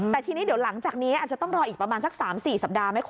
แต่ทีนี้เดี๋ยวหลังจากนี้อาจจะต้องรออีกประมาณสัก๓๔สัปดาห์ไหมคุณ